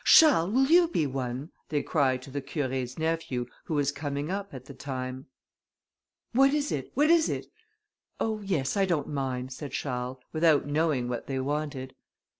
Charles, will you be one?" they cried to the Curé's nephew, who was coming up at the time. "What is it? what is it? Oh, yes, I don't mind," said Charles, without knowing what they wanted.